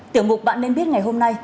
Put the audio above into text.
tiểu mục bạn nên biết ngày hôm nay